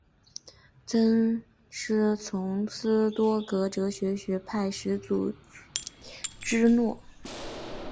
曾师从斯多噶哲学学派始祖芝诺。